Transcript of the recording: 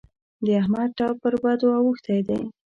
د احمد ټپ پر بدو اوښتی دی.